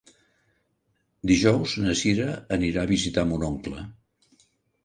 Dijous na Cira anirà a visitar mon oncle.